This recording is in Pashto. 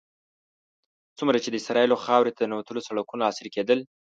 څومره چې د اسرائیلو خاورې ته ننوتلو سړکونه عصري کېدل.